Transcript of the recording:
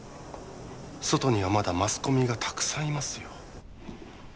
外にはまだマスコミがたくさんいますよ